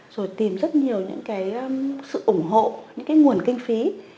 rồi tìm rất nhiều sự ủng hộ những nguồn kinh phí